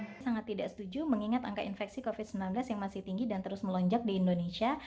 saya sangat tidak setuju mengingat angka infeksi covid sembilan belas yang masih tinggi dan terus melonjak di indonesia